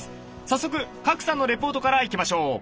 早速賀来さんのレポートからいきましょう！